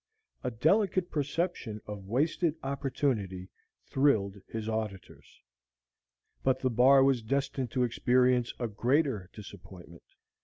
A delicate perception of wasted opportunity thrilled his auditors. But the Bar was destined to experience a greater disappointment.